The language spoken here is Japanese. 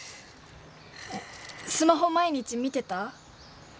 スマホ毎日見てた？